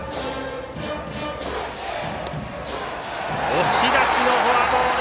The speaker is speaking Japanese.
押し出しのフォアボール。